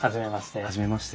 初めまして。